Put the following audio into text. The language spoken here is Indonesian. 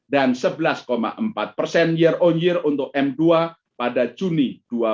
dan sebelas empat year on year untuk m dua pada juni dua ribu dua puluh satu